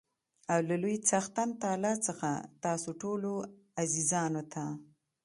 او له لوى څښتن تعالا څخه تاسو ټولو عزیزانو ته